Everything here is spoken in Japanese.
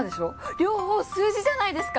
両方数字じゃないですか。